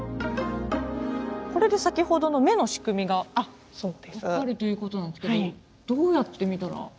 これで先ほどの目の仕組みが分かるということなんですけどどうやって見たら？